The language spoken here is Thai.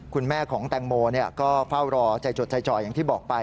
คุณแม่ของแตงโมก็เฝ้ารอใจจดใจจ่อยอย่างที่บอกไป